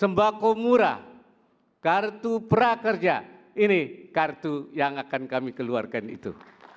sembako murah kartu prakerja ini kartu yang akan kami keluarkan itu